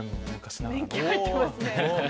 年季入ってますね。